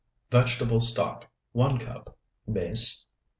Vegetable stock, 1 cup. Mace.